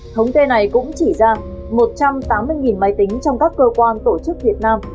thống kê này cũng chỉ ra một trăm tám mươi máy tính trong các cơ quan tổ chức việt nam